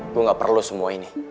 gua gak perlu semua ini